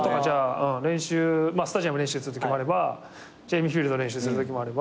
スタジアムで練習するときもあればＪＦＡ夢フィールドで練習するときもあれば。